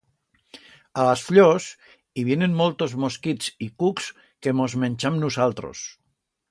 A las fllors i vienen moltos mosquits y cucs que mos mencham nusaltros.